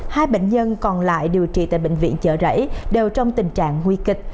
hai bệnh nhân còn lại điều trị tại bệnh viện chợ rẫy đều trong tình trạng nguy kịch